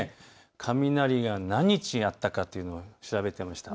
雷が何日あったかというのを調べてみました。